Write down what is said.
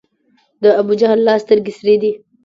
د ابوجهل لا سترګي سرې دي